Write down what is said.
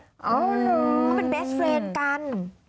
อ๋อเหรอเพราะเป็นเบสเฟรนด์กัน